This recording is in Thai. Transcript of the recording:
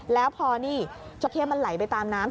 แล้วพอนี่เจ้าเข้มันไหลไปตามน้ำ